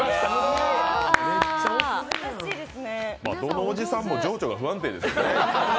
どのおじさんも情緒が不安定ですね。